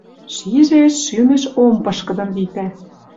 Шижеш, шӱмӹш ом пышкыдын витӓ...